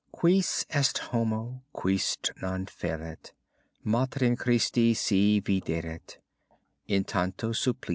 Quis est homo, qui non fleret, Matrem Christi si videret, In tanto supplicio?